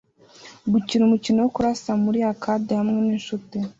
gukina umukino wo kurasa muri arcade hamwe ninshuti